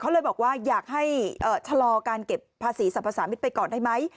เขาเลยบอกว่าอยากให้ชะลอการเก็บภาษีสรรพสามิตรไปก่อนได้ไหม